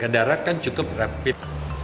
darat kan cukup rapid